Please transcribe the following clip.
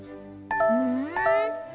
ふん。